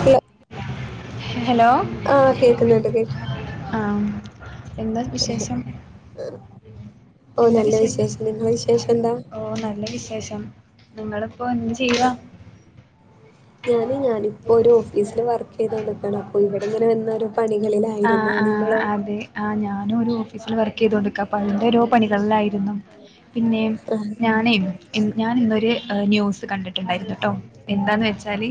Hello hello ആഹ് കേക്കുന്നുണ്ട് കേ ആഹ് എന്താ വിശേഷം? ഓ എന്താ നല്ല വിശേഷം? നിങ്ങളെ വിശേഷം എന്താ ഓഹ് നല്ല വിശേഷം. നിങ്ങളിപ്പോ എന്ത് ചെയ്യാ? ഞാന് ഞാനി ഇപ്പൊ രോ ഓഫീസില് വർക്കെയ്തോണ്ട്ക്കാണ് അപ്പൊ ഇവടെ ഇങ്ങനെ വന്ന ഓരോ പണികളിലായിരുന്നു. നിങ്ങളോ? ആഹ് ഞാനും ഒരു ഓഫീസില് വർക്കെയ്തോണ്ട്ക്ക അപ്പയ്ൻ്റൊരോ പണികളിലായിയിരുന്നു. പിന്നെ ആഹ് ഞാനെം ഞാൻ ഇന്നൊരു ഏഹ് ന്യൂസ് കണ്ടിട്ട്ണ്ടായിരുന്നു ട്ടോ എന്താന്ന് വെച്ചാല്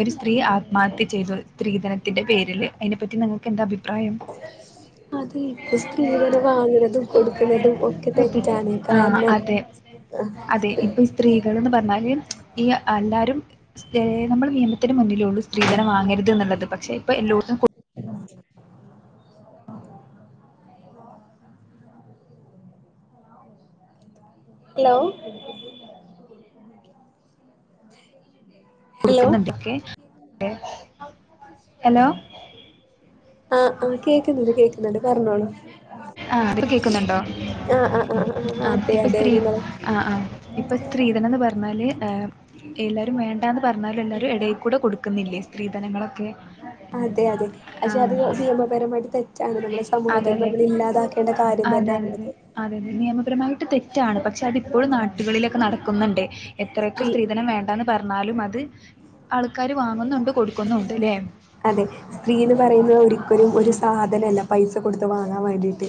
ഒരു സ്ത്രീ ആത്മഹത്യ ചെയ്തു സ്ത്രീധനത്തിന്റെ പേരില് അയ്നെ പറ്റി നിങ്ങക്കെന്താ അഭിപ്രായം. അത് ഇപ്പൊ സ്ത്രീധനം വാങ്ങ്ണതും കൊട്ക്ക്ണതും ഒക്കെ തെറ്റാണ് ആ കാരണം അതെ അതെ ഇപ്പൊ സ്ത്രീകള്ന്ന് പറ ന്നാല് ഈ അല്ലാരും ഏഹ് നമ്മള് നിയമത്തിന് മുന്നി ലുണ്ട് സ്ത്രീധനം വാങ്ങര്ത് ന്ന്ള്ളത് പക്ഷെ ഇപ്പൊ എല്ലോട്ത്തും കൊ ഹലോ ഹലോ ഹലോ കൊടുക്കുന്നുണ്ടൊക്കെ, ഹലോ. ആഹ് ആഹ് കേക്കുന്നുണ്ട് കേൾക്കുന്നുണ്ട്, പറഞ്ഞോളൂ. ആഹ് ഇപ്പൊ കേക്കുന്നുണ്ടോ? ആഹ് ആഹ് ആഹ് ആഹ് അതെ ഇപ്പൊ അതെ സ്ത്രീ നിങ്ങള് ആഹ് ആഹ് ഇപ്പൊ സ്ത്രീധനയെന്ന് പറഞ്ഞാല് ഏഹ്. എല്ലാവരും വേണ്ടാന്ന് പറഞ്ഞാലും എല്ലാവരും ഇടയിക്കൂടെ കൊടുക്കുന്നില്ലേ, സ്ത്രീധനങ്ങളൊക്കെ. അതെ അതെ പക്ഷെ അത് ആഹ് നിയമപരമായിട്ട് തെറ്റാണ്, നമ്മുടെ അതെ സമൂഹത്തിൽ നിന്നും അതെ അത് ഇല്ലാതാക്കേണ്ട കാര്യം. അതെ അതെ അതെ തന്നെയാണത് അതെ അതെ നിയമപരമായിട്ട് തെറ്റാണ്, പക്ഷെ അതിപ്പോഴും നാട്ടുകളിലൊക്കെ നടക്കുന്നുണ്ട്. എത്രയൊക്കെ സ്ത്രീ സ്ത്രീധനം വേണ്ടയെന്ന് പറഞ്ഞാലും അത്. ആൾക്കാര് വാങ്ങുന്നുണ്ട് കൊടുക്കുന്നുണ്ട്. ല്ലേ അതെ സ്ത്രീന്ന് പറയുന്നത് ഒരിക്കലും ഒരു സാധനമല്ല പൈസ കൊടുത്ത് വാങ്ങാൻ. ങ്ങാൻ വേണ്ടിയിട്ട്.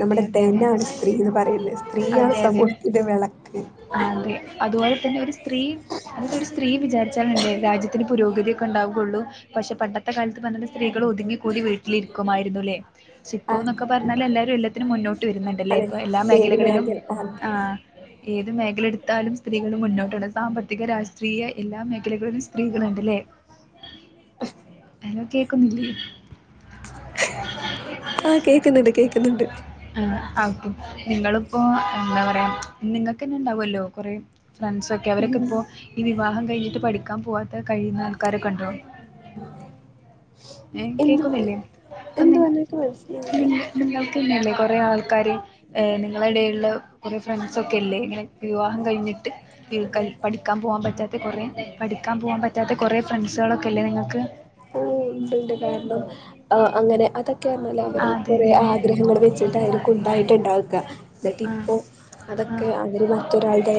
അതെ നമ്മുടെ അതെ അതെ ധനാണ് സ്ത്രീയെന്ന് പറയുന്നത്, സ്ത്രീയാണ് അതെ അതെ സമൂഹത്തിന്റെ വിളക്ക്. അതെ അതുപോലെ തന്നെ ഒരു സ്ത്രീ, അതൊരു ഒരു സ്ത്രീ വിചാരിച്ചാലും എന്താകും. രാജ്യത്തിന് പുരോഗതിയൊക്കെ ഉണ്ടാവുകയുള്ളൂ, പക്ഷെ പണ്ടത്തെ കാലം. അന്നൊന്നും സ്ത്രീകൾ ഒതുങ്ങി കൂടി വീട്ടിലിരിക്കുമായിരുന്നുല്ലേ, പക്ഷെ ആ ഇപ്പോന്നൊക്കെ പറഞ്ഞാല് എല്ലാരും. എല്ലാത്തിനും മുന്നോട്ട് വരുന്നുണ്ടല്ലേ, അതെ ഇപ്പൊ എല്ലാ ഏത് മേഖലകളിലും മേഖല ആ ആഹ്. ഏത് മേഖല എടുത്താലും സ്ത്രീകൾ മുന്നോട്ടാണ്, സാമ്പത്തിക രാഷ്ട്രീയം. എല്ലാ മേഖലകളിലും സ്ത്രീകളുണ്ടല്ലേ, ഹലോ കേക്കുന്നില്ലേ? ആഹ് കേക്കുന്നുണ്ട് കേക്കു ആഹ് അപ്പൊ നിങ്ങളിപ്പോ എന്താ പറയുക നിങ്ങൾക്ക് ഇനി. ഉണ്ടാവുല്ലോ കൊറെ. ഫ്രണ്ട്സ് ഒക്കെ അവരൊക്കെ ഇപ്പോ ഈ വിവാഹം കഴിഞ്ഞിട്ട് പഠിക്കാൻ പോവാത്തെ കഴിയുന്ന ആൾക്കാരൊക്കെ ഉണ്ടോ? ഏ എന്ത് കേൾക്കുന്നില്ലേ അപ്പൊ നി എന്ത് പറഞ്ഞേക്ക് മനസ്സിലായില്ല നിങ്ങൾക്ക്തന്നെയല്ലേ കൊഴ - കുറേ ആൾക്കാര് നിങ്ങളെ എടയിലുള്ള കൊറേ ഫ്രണ്ട്സൊക്കെല്ലേ ഇങ്ങനെ വിവാഹം കഴിഞ്ഞിട്ട്- പഠിക്കാൻ പോകാൻ പറ്റാത്ത കൊറെ പഠിക്കാൻ പോകൻ പറ്റാത്ത കൊറേ ഫ്രണ്ട്സുകളൊക്കെ ഇല്ലേ നിങ്ങക്ക് ആ ഉണ്ട്ണ്ട് കാരണം അങ്ങനെ അതൊ ക്കെ പറഞാല് ആ അവര് അതെ കുറേ അതെ ആഗ്രഹങ്ങൾ വെച്ചിട്ടാവും ഉണ്ടായിട്ടുണ്ടാവുക എന്നിട്ട് ആ ഇപ്പോ ആ അതൊക്കെ അതിൽ മറ്റൊരാളുടെ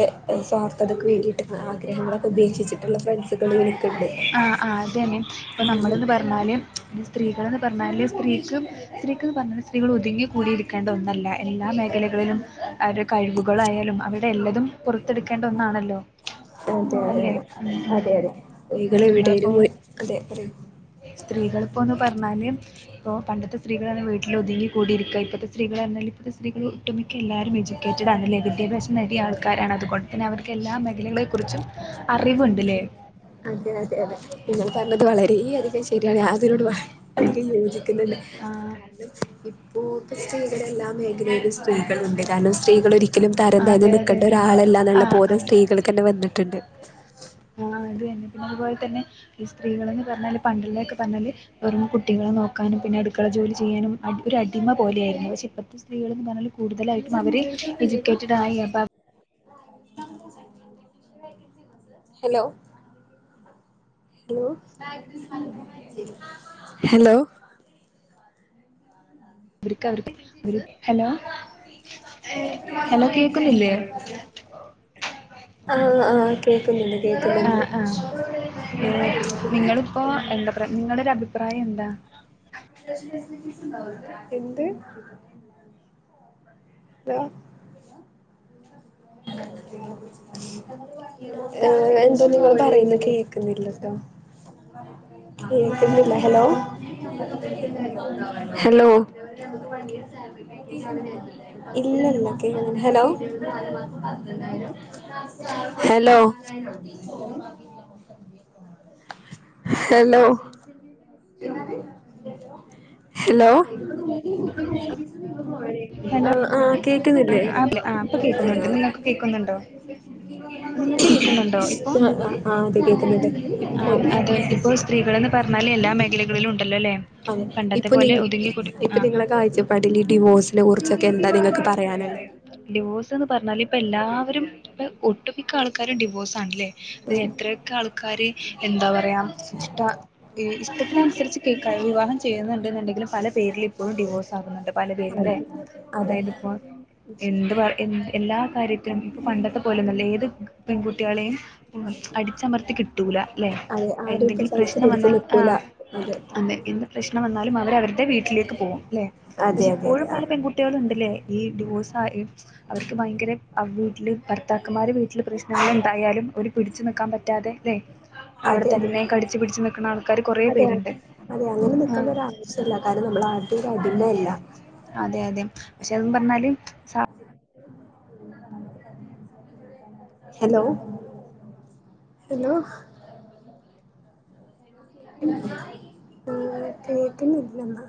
സ്വാർത്ഥതക്ക് വേണ്ടിയിട്ട് ആഗ്രഹങ്ങളൊക്കെ ഉപേക്ഷിച്ചിട്ടുള്ള ഫ്രണ്ട്സുകള് ആഹ് ആ അതെന്നെ ഇപ്പൊ നമ്മള് ന്ന് പറഞ്ഞാല് പിന്നെ സ്ത്രീകളെന്ന് പറഞ്ഞാല് സ്ത്രീക്ക് സ്ത്രീക്ക് ന്ന് പറഞ്ഞൽ സ്ത്രീകൾ ഒതുങ്ങി കൂടിയിരിക്കേണ്ട ഒന്നല്ല എല്ലാ മേഖലകളിലും അവരെ കഴിവുകളായി യാലും അവരുടെ എല്ലതും പുറത്തെടുക്കേണ്ട ഒന്നാണല്ലോ അതെ അതെ അല്ലെ അതെ അതെ അതെ നിങ്ങൾ എവിടെലും നിങ്ങളിപ്പം പോയി അതെ പറയൂ സ്ത്രീകൾ ഇപ്പോൊന്ന് പറഞ്ഞാല് ഇപ്പൊ പണ്ടത്തെ സ്ത്രീകൾ വീട്ടിൽ ഒതുങ്ങി കൂടിയിരിക്കുക ഇപ്പോത്തെ സ്ത്രീകൾ അർ ഞ്ഞാൽ ഇപ്പത്തെ സ്ത്രകൾ ഒട്ടുമിക്ക എല്ലാവും എജ്യൂക്കേറ്റഡ് ആണല്ലേ വിദ്യാഭ്യാസ നടി ആൾക്കാരാണ് അതുകൊണ്ട് തന്നെ അവർക്ക് എല്ലാ മേഖലകളെ കുറിച്ചും അറിവുണ്ട്ല്ലേ അതെ അതെ അതെ നിന്നെ പറഞ്ഞത് വളര അധികം ശരിയാണ് യാതിനോട് അധികം യോജിക്ക [unintelligible] ന്നെ [unintelligible] ആ ഓ പയുടെ എല്ലാ മേഖലും [unintelligible] സ്ത്രീകളുണ്ട് കാരണം സ്ത്രീകൾ ഒരിക്കലും തരം താഴ്ന്ന് അതെ നിക്കണ്ട അതെന്നെ ഒരാളല്ലാന്നുള്ള ആഹ് പോലെ സ്ത്രീകൾ തന്നെ വന്നിട്ടുണ്ട് ആ അത്ന്നെ പിന്നെതുോലെ തന്നെ ഈ സ്ത്രീകൾന്ന് പറഞ്ഞാല് പണ്ടലൊക്കെ പറഞ്ഞാല് വെറും കുട്ടികളെ നോക്കാനും പിന്നെ അടുക്കള ജോലി ചെയ്യാനും അടി ഒരു അടിമ പോലെയായിരുന്നു പക്ഷേ ഇപ്പോഴത്തെ സ്ത്രീകൾെന്ന് പറഞ്ഞാൽ കൂടുതലായിട്ടും അവര് എജ്യൂക്കേറ്റഡ് ആയി [unintelligible] ഹലോ ഹലോ ഹലോ അവർക്ക് അവർക്ക് അവര് ഹലോ ഹലോ കേക്കുന്നില്ലേ ആഹ് ആഹ് കേക്കുന്നുണ്ട് കേക്കുന്നുണ്ട് ആഹ ആ നിങ്ങളിപ്പോൊ എന്താ പ്ര നിങ്ങടൊരു അഭിപ്രായം എന്താ എന്ത് ത അം [inaudible] ആ എന്തോ നിങ്ങൾ പറയുന്ന കേൾക്കുന്നില്ലട്ടോ ഉ [inaudible] കേൾക്കുന്നില്ലേ ഹലോ കേൾക്കുന്നില്ലട്ടോ ഇല്ല ഇല്ല കേൾ hello hello hello hello hello ആ ആക്കേ കുന്നില്ലേ ആഹ് ഇപ്പൊ ആ കേക്കുന്നുണ്ട് നിങ്ങൾക്ക് കേക്കുന്നുണ്ടോ നിങ്ങൾക്ക് കേക്കുന്നുണ്ടോ ഇപ്പൊ ആ ആഹ ആ അതെ കേക്കുന്ന്ണ്ട് ആ ഇപ്പോൾ സ്ത്രീകൾന്ന് പറഞ്ഞാല് എല്ലാ മേഖലകളിലും ഉണ്ടല്ലോ അല്ലേ അതെ പണ്ടത്തെ ഇപ്പൊ നി പോലെ ഒതുങ്ങി കൂടി ഇപ്പൊ ആ നിങ്ങളെ കാഴ്ചപ്പാടിൽ ഈ ഡിവോഴ്സിനെ കുറിച്ചൊക്കെ എന്താ നിങ്ങക്ക് പറയാനുള്ളത് പറഞ്ഞാല് ഇപ്പ എല്ലാവരും ഇപ്പ ഒട്ടുമിക്ക ആൾക്കാരും ഡിവോഴ്സ് ആണല്ലേ തെ എത്രയൊക്കെ ആൾക്കാാര് എന്താ പറയാ ഇഷ്ട ഇഷ്ടത്തിനനുസരിച്ച് കേക്കാ വിവാഹം ചെയ്യുന്നുണ്ടുന്ന്ണ്ടെങ്കിലും പല പേരിൽ പ്പോഴും ഡിവോഴ്സ് ആകുന്നുണ്ട് പല അതെ പേരുംല്ലേ അതെ അതായത് ഇപ്പോ എന്ത് പറ എ എല്ലാ കാര്യത്തിനും ഇപ്പൊ പണ്ടത്തെ പോലെ നല്ല ഏത് പെൺകുട്ടികളെയും അടിച്ചമർത്തി കിട്ടൂല ല്ലെ അതെ ആരും ഇപ്പൊ എന്തെങ്കിലും സഹിച്ചു പ്രശ്നം പിടിച്ചു വന്നാൽ ആ നിക്കൂല അതെ എന്ത് പ്രശ്നം വന്ന എന്നാലും അവ അവരുടെ വീട്ടിലേക്ക് പോകും അല്ലെ അതെ പക്ഷെ അതെ ഇപ്പോഴും അതെ പല പെൺകുട്ട ണ്ട്ല്ലേ ഈ ഡിവോഴസ് ആ അവർക്ക് ഭയങ്കര വീട്ടില് ഭർത്താക്കന്മാര് വീട്ടില് പ്രശ്നങ്ങള എന്തായാലും ഒരു പിടിച്ചു നിക്കാൻ പറ്റാതെ അല്ലെ. അവിടെ അതെ അതെ തന്നെ കടിച്ചു പിടിച്ച്ു നക്കണ ആൾക്കാാര് കുറേ പേരുണ്ട്. ആ അതാവശ്യല്ല അതാത് നമ്മളാര്ടീം അടിമല്ല. അതെ അതെ പക്ഷെ അതും പറഞ്ഞാലും സ ഹലോ ഹലോ നമ്മ കേക്കുന്നില്ലെന്നാ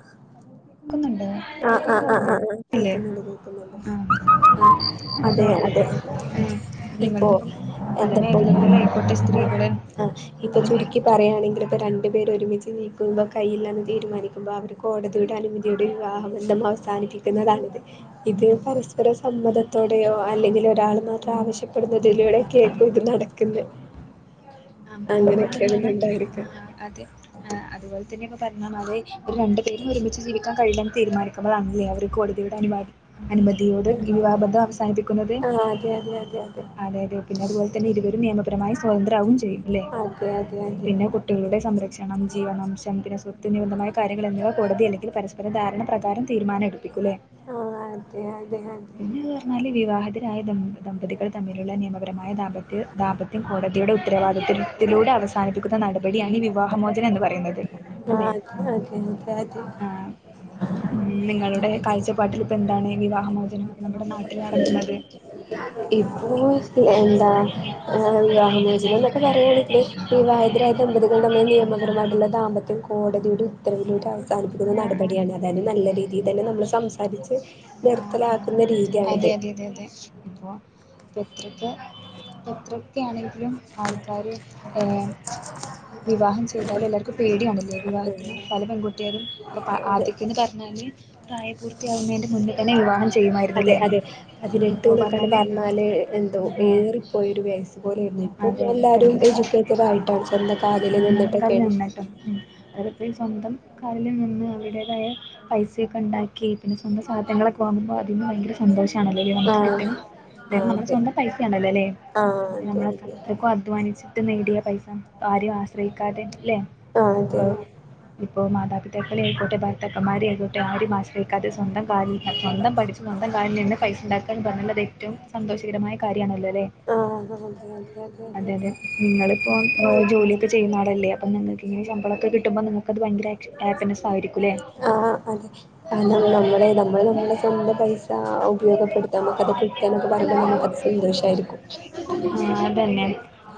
സാധിക്കുന്നുണ്ട് ആഹ് ആ് ആ ആ ആ ഇല്ലേ കേൾക്കുന്നുണ്ട് കേക്കുന്നുണ്ട് ആ അതെ അപ്പോൾ അതെ ഇപ്പോ നിങ്ങളുടെ ഇപ്പം പല എന്തപ്പ മേഖലകളിലായിക്കോട്ടെ സ്ത്രീകൾ ആ ഇപ്പോ പല ചുരുക്കി മേഖല പറയാണെങ്കിൽ രണ്ടു പേര് ഒരുമിച്ച് നീക്കുമ്പോ കയ്യില്ലന്ന് തീരുമാനിക്കുമ്പോ അവര് കോടതിയുടെ അനുമതിയുടെ വിവാഹ ബന്ധമാ അവസാനിപ്പിക്കുന്നതാണിത് ഇത് പരസ്പര സമ്മതത്തോടെയോ അല്ലെങ്കിൽ ഒരാൾ മാത്രം ആവശ്യപ്പെടുന്നതിലൂടെക്കക്കും ഇത് നടക്കുന്നെ ആ അതുപോലെ അങ്ങനെയൊക്കെയാണ് ഇത് തന്നെയാണ് ഉണ്ടായിരിക്ക ആ അതെ അതുപോലെ തന്നെ ഇപ്പൊ പറന്ന അതെ ഒരു രണ്ടുപേരും ഒരുമിച്ച് ജീവിക്കാൻ കഴിയാ തീരുമാനിക്കതാണല്ലേ അവര് കോടതിയുടെ അനുവാദം അനുമതി നോട് വിവാഹ ബന്ധം അവസാനിപ്പിക്കുന്നത് ആഹ് അതെ അതെ അതെ അതെ പിന്നെ അതുപോലെ തന്നെ ഇരുവരും നിയമ പരമായ സ്വതന്ത്രം ആവും ചെയ്യുംല്ലെ അതെ അതെ അതെ പിന്നെ കുട്ടികളുടെ സംരക്ഷണം ജീവനം [unintelligible] തിന് മമായ കാര്യങ്ങൾ എല്ലാ കോടതി അല്ലെങ്കിൽ പരസ്പര ധാരണ പ്രകാരം തീരുമാന എടുപ്പിക്കൂല്ലേ ആ അതെ അതെ അതെ പിന്നെത് പറഞ്ഞാല് വിവാഹിതരായതാണ് ദമ്പതികൾ തമ്മിലുള്ള നിയമപരമായ ദാമ്പത്യം ദാമ്പത്യം കോടതിയുടെ ഉ ഉത്തരവാദിത്വത്തിലൂടെ അവസാനിപ്പിക്കുന്ന നടപടിയാണ് ഈ വിവാഹമോചനം എന്ന് പറയുന്നത് അല്ലേ ആ അതെ അതെ ആഹ് അതെ ഉം അതെ നിങ്ങളുടെ കാഴ്ചപ്പാട്ടിൽ ഇപ്പോ എന്താണ് വിവാഹമോചനം നമ്മുടെ നാട്ടിൽ നടക്കുന്നത് ഇപ്പൊ എന്താ വിവാഹമോചനം പറയുള്ള ഈ വിവാഹിതരായ ദമ്പതികൾ തമ്മിൽ നിയമപരമായിട്ടുള്ള ദാമ്പത്യം കോടതിൻ്റെ ഉത്തരവിലൂടെ അവസാനിപ്പിക്കുന്ന ആഹ് ആഹ് നടപടിയാണ് അതായത് നല്ല രീതിയിൽ തന്നെ നമ്മൾ സംസാരിച്ച് ആഹ് ആഹ് ആഹ് നിർത്തലാക്കുന്ന അതെ രീതിയാണിത് അതെ അതെ അതെ ഇപ്പോ ഇ എത്രക്കെ എത്രൊക്കെ ആണെ ലും ആൾക്കാർ ഏ വിവാഹം ചെയ്താലും എല്ലാവർക്കും പേടിയാണല്ലേ വിവാഹത്തിന് പല പെൺകുട്ടികളും ഇപ്പ ആ, അതെ ആദ്യത്തെന്ന് പറഞ്ഞാല് പ്രായപൂർത്തിയാവുന്നതിന്റെ മുന്നിൽ തന്നെ വിവാഹം ചെയ്യും അതെ അതെ പതിനെട്ട് ഒക്കെ ആ പറഞ്ഞാല് എന്തോ ആ ഏറിപ്പോയൊരു വയസ്സ് പോലെണ് തും അതെ എല്ലാരും പെട്ടെന്ന് എജ്യൂക്കേറ്റഡ് ആയിട്ടാണ് സ്വന്തം കാലിൽ മുൻകാലിൽ നിന്നിട്ടൊക്കെയാണ് നിന്നിട്ടോ ഉം അവരിപ്പോ സ്വന്തം കാലിൽ നിന്ന് അവരുടേതായ പൈസയൊക്കെ ഉണ്ടാക്കി പിന്നെ സ്വന്തം സാധനങ്ങളൊ അമ്പോ അതിന് ഭയങ്കര സന്തോഷമാണല്ലോ നമുക്ക് ആഹ് കിട്ടും അത് ആഹ് നമ്മള അതെ സ്വന്തം പൈസയാണല്ലോ അല്ലെ ആഹ് അതെ നമ്മള് അതെ അത്രയ്ക്കോ അധ്വാനിച്ചിട്ട് നേടിയ പൈസ ആരും ആശ്രയിക്കാതെ അല്ലേ ആഹ് ഇപ്പ അതെ ഇപ്പോ മാതാപിതാക്കളെ ആയിക്കോട്ടെ ഭത്ത അക്കമാരി ആയിക്കോട്ടെ ആരെം ആശ്രയിക്കാതെ സ്വന്തം കാലിൽ സ്വന്തം പഠിച്ച് സ്വന്തം കാലിൽ നിന്ന് പൈസണ്ടാക്കാന്ന് പറഞ്ഞുള്ളത് ഏറ്റവും സന്തോഷകരമായ കാര്യമാണല്ലോ ആഹ് അതെ അതെ അതെ അതെ നിങ്ങള് ഇപ്പോ ജോലി ചെയുന്ന ആളല്ലേ അപ്പ നിങ്ങൾക്ക് ഇങ്ങെ ശമ്പളൊക്കെ കിട്ടുമ്പോ നിങ്ങൾക്കത് ഭയങ്കര ആപ്പിനെസ് ആയിരിക്കും അല്ലേ ആ ആ അതെ ആ നമ്മൾ നമ്മള് നമ്മൾ [unintelligible] നമ്മ പൈസ ഉപയോഗപ്പെടുത്താം നമുക്കത് കിട്ടാനൊക്കെ പറയുമ്പ നമുക്കത് സന്തോഷ ആരിക്കും ആ അതന്നെ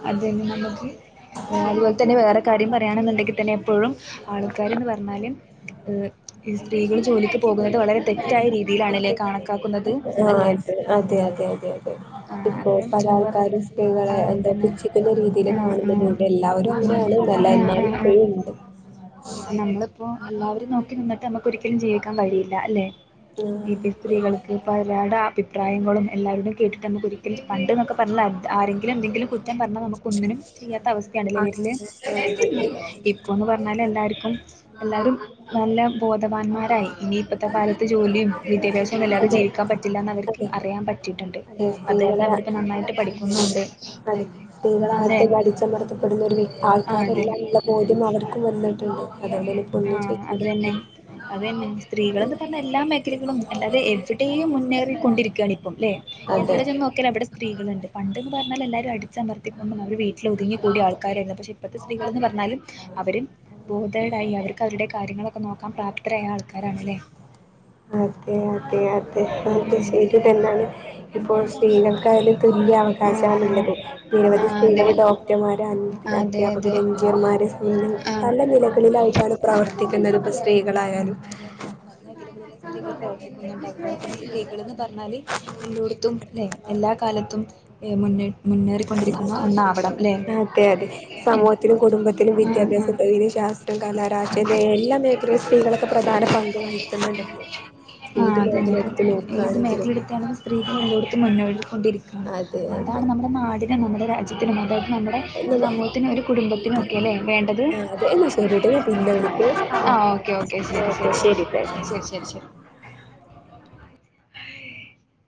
അതെ നമുക്ക് അതുപോലെ തന്നെ വേറെ കാര്യം പറയാണെന്നുണ്ടെ കി തന്നെ എപ്പോഴും ആൾക്കാര്ന്ന് പറഞ്ഞാലും ഏ സ്ത്രീകൾ ജോലിക്ക് പോകുന്നത് വളരെ തെ ആ അല്ലേ അതെ അതെ അതെ അതെ അതെ ആഹ് ഇപ്പൊ അത് പല എന്ന് പറഞ്ഞാൽ ആൾക്കാരും സ്ത്രീകളെ ആഹ് എന്താ അതന്നെ പുച്ഛിക്കുന്ന രീതിയിൽ ആഹ് ആഹ് കാണുന്നത് ഉം കൊണ്ട് എല്ലാവരും അങ്ങനെ ആ തന്നല്ല എന്നാലും ഇപ്പഴും ഉണ്ട് ആ നമ്മളിപ്പോ എല്ലാവരും നോക്കി നിന്നിട്ട് നമുക്ക് ഒരിക്കലും ജീവിക്കാൻ കഴിയില്ല അല്ലെ ഇ സ്ത്രീകൾക്ക് ഇപ്പ ആരാടെ അഭിപ്രായങ്ങളും എല്ലാരടും കേട്ടിട്ട് നമുക്ക് ഒരിക്കലും പണ്ട്ന്നൊക്കെ പറഞ്ഞ ആരെങ്കിലും എന്തെങ്കിലും കുറ്റം പറഞ്ഞാൽ നമുക്ക് ഒന്നിനും ചെയ്യാത്ത അവസ്ഥയാണല്ലേ വരല് ആഹ് അതെ ഇപ്പൊന്ന് പറഞ്ഞാൽ എല്ലാവർക്കും എല്ലാരും നല്ല ബോധവാന്മാരായി ഇനി ഇപ്പോത്തെ കാലത്ത് ഏത് ജോലിയും വിദ്യാഭ്യാസം ഒന്നില്ലാതെ അതെ അതെ ജീവിക്കാൻ പറ്റില്ല എന്ന് അവർക്ക് അതെ അറിയാൻ പറ്റിട്ടുണ്ട് അതെ സ്ത്രീകളെ അതെ സ്ത്രീകളെ ല്ലെ അകത്ത് അടിച്ചമർത്തിപ്പെടുന്ന ഒരു- ആഹ് അതന്നെ ആൾക്കാരെല്ലാം ഉള്ള ബോധ്യം അവർക്കും വന്നിട്ടുണ്ട് അതുകൊണ്ട്ന്നെപ്പോ ഒന്നും ആഹ് ചെയ്യ അതന്നെ ആരും അതന്നെ സ്ത്രീകൾന്ന് പറഞ്ഞ എല്ലാ മേഖലകളും അല്ലാതെ എവിടെയും മുന്നേറി കൊണ്ടിരിക്കുകയാണ് ഇപ്പം അല്ലെ എവിടെ ചെന്ന് നോക്കിയാലും എവിടെ സ്ത്രീകളണ്ട് പണ്ട്ന്ന് പറഞ്ഞാൽ എല്ലാരും അടിച്ചമർത്തികൊണ്ടും അവര് വീട്ടില് ഒതുങ്ങി കൂടി ആൾക്കാർ ഇന്ന് പക്ഷെ ഇപ്പഴത്തെ സ്ത്രീകൾന്ന് പറഞ്ഞാല് അവരും - തേടായി അവർക്ക് അവരുടെ കാര്യങ്ങളൊക്കെ നോക്കാൻ പ്രാപ്തരായ ആൾക്കാരാണല്ലേ അതെ അതെ അതെ അതെ ഉം ശരി തന്നെയാണ് ഇപ്പോ ഉം സ്ത്രീകൾക്കായാലും- തുല്ല്യ ആഹ് ആഹ് അവകാശാണുള്ളത് നിരവധി ആഹ് അതെ സ്ത്രീകൾ ഡോക്ടർമാർ അതെ അതെ അധ്യാപകരും- സംബന്ധിച്ചു ആഹ് പല നിലകളിലായിട്ടാണ് പ്രവർത്തിക്കുന്നത് ഇപ്പ സ്ത്രി- ആ അതന്നെ പല മേഖലകളിലും സ്ത്രീകൾ പ്രവർത്തിക്കുന്നുണ്ട് അതുപോലെ തന്നെ സ്ത്രീകൾ എന്ന് പറഞ്ഞാല് എല്ലോടത്തും- ത്തുംല്ലെ എല്ലാ കാലത്തും എ മുന്നിറ്റ് അതെ അതെ ആ സമൂഹത്തിലും കുടുംബത്തിലും വിദ്യാഭ്യാസം ഉണ്ടോ ആ അതിനു - കല രാഷ്ട്രിയം എല്ലാ മേഖലയിലും സ്ത്രീകളെ- ആ ഏത് മേഖല അതന്നെ എടുത്ത് ഏത് നോക്കുകയാണെങ്കിലും മേഖല എടുത്താലും സ്ത്രീകൾ എല്ലോടുത്തും മു [unintelligible] കൊണ്ടിരിക്കാണ് അതെ അതാണ് നമ്മുടെ അതെ നാടിനെ നമ്മുടെ രാജ്യത്തിനെ മതേ നമ്മുടെ, സമൂഹത്തിനും, ഒരു, കുടുംബത്തിനും, ഒക്കെല്ലേ, വേണ്ടത്. ആ അതെ എന്നാ ശരിട്ടോ ഞാൻ പിന്നെ വിളിക്കാം ആ, ഓക്കെ, ഓക്കെ, ശരി, ഓക്കെ ശരി, ശരിട്ടോ ശരി, ശരി, ശരി. [unintelligible]